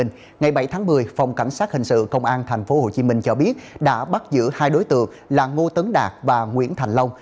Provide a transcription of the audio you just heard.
ngày bảy tháng một mươi phòng cảnh sát hình sự công an tp hcm cho biết đã bắt giữ hai đối tượng là ngô tấn đạt và nguyễn thành long